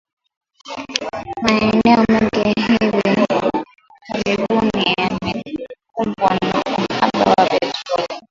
Maeneo mengi hivi karibuni yamekumbwa na uhaba wa petroli